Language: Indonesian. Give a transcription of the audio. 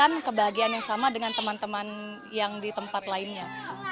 mendapatkan kebahagiaan yang sama dengan teman teman yang di tempat lainnya